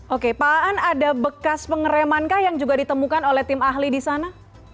oke pak aan ada bekas pengeremankah yang juga ditemukan oleh tim ahli di sana